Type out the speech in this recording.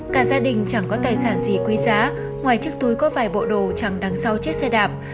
cả gia đình chẳng có tài sản gì quý giá ngoài chiếc túi có vài bộ đồ chẳng đằng sau chiếc xe đạp